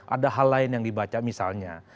ada hal lain yang dibaca misalnya